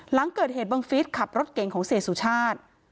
หลังเกิดเหตุบังฟิศขับรถเก่งของเสียสุชาติ